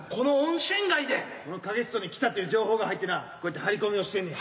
この花月荘に来たっていう情報が入ってなこうやって張り込みをしてんねん。